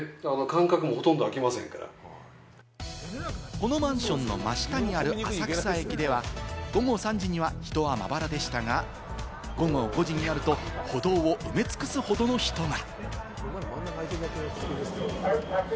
このマンションの真下にある浅草駅では、午後３時には人はまばらでしたが、午後５時になると歩道を埋め尽くすほどの人が。